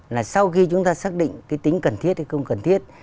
là sau khi chúng ta xác định cái tính cần thiết hay không cần thiết